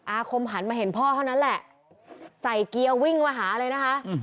อาคมหันมาเห็นพ่อเท่านั้นแหละใส่เกียร์วิ่งมาหาเลยนะคะ